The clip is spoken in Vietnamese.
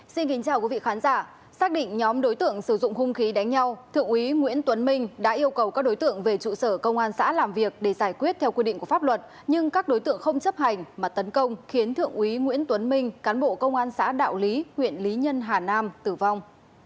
xin kính chào quý vị khán giả xác định nhóm đối tượng sử dụng hung khí đánh nhau thượng úy nguyễn tuấn minh đã yêu cầu các đối tượng về trụ sở công an xã làm việc để giải quyết theo quy định của pháp luật nhưng các đối tượng không chấp hành mà tấn công khiến thượng úy nguyễn tuấn minh cán bộ công an xã đạo lý huyện lý nhân hà nam tử vong